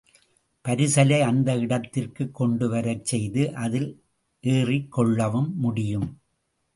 பரிசலை அந்த இடத்திற்குக் கொண்டுவரச் செய்து அதில் ஏறிக்கொள்ளவும் முடியும்.